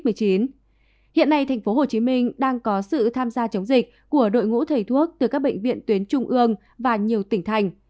hiện nay tp hcm đang có sự tham gia chống dịch của đội ngũ thầy thuốc từ các bệnh viện tuyến trung ương và nhiều tỉnh thành